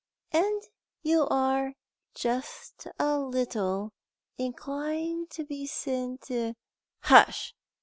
"And you are just a little inclined to be senti " "Hush!